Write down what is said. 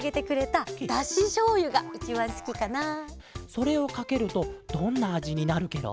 それをかけるとどんなあじになるケロ？